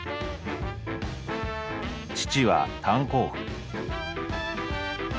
「父は炭鉱夫」。